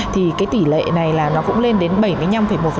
tỷ lệ này cũng lên đến bảy mươi bảy